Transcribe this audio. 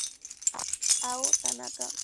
Ao Tanaka